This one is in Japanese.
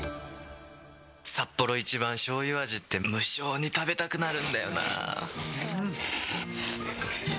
サッポロ一番しょうゆ味って無性に食べたくなるんだよな。